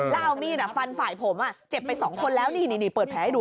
แล้วเอามีดฟันฝ่ายผมเจ็บไป๒คนแล้วนี่เปิดแผลให้ดู